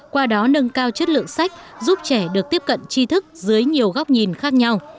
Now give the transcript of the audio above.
qua đó nâng cao chất lượng sách giúp trẻ được tiếp cận chi thức dưới nhiều góc nhìn khác nhau